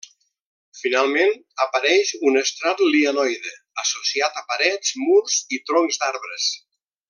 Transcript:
Finalment, apareix un estrat lianoide, associat a parets, murs i troncs d'arbres.